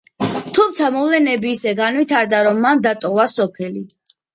თუმცა მოვლენები ისე განვითარდა, რომ მან დატოვა სოფელი.